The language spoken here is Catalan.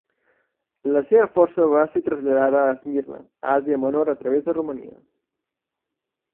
La seva força va ser traslladada a Esmirna, a Àsia Menor a través de Romania.